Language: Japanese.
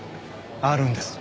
あるんです。